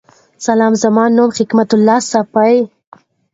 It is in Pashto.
سلام زما نوم حکمت الله صافی